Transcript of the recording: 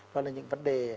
đó là những vấn đề